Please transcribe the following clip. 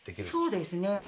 そうですね。